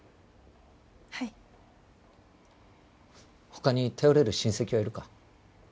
はい他に頼れる親戚はいるか？